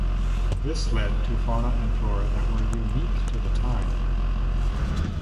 This led to fauna and flora that were unique to the time.